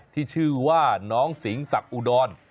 ที่ชื่อว่าน้องสิงศักดิอุดร